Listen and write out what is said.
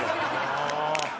ああ。